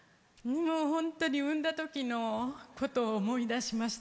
本当に産んだときのことを思い出しました。